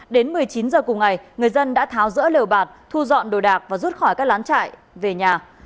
đến một mươi chín h cùng ngày người dân đã tháo rỡ lều bạt thu dọn đồ đạc và rút khỏi các lán trại về nhà